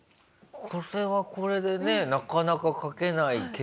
これはこれでねなかなか描けないけど。